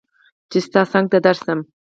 چې ستا څنګ ته درشم